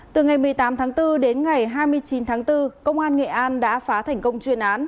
từ ngày một mươi tám tháng bốn đến ngày hai mươi chín tháng bốn công an nghệ an đã phá thành công chuyên án